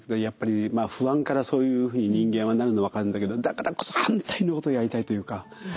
やっぱり不安からそういうふうに人間はなるの分かるんだけどだからこそ反対のことやりたいというか。